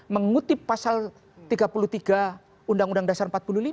mengutip pasal tiga puluh tiga undang undang dasar empat puluh lima